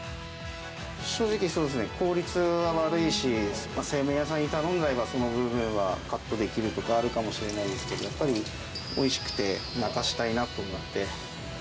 正直、効率は悪いし、製麺屋さんに頼んじゃえば、その分はカットできる部分はあるかもしれないですけど、やっぱりおいしくて、泣かしたいなと思って。